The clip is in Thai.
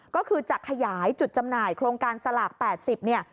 ก็คือจะขยายจุดจำหน่ายโครงการสลาก๘๐เนี่ย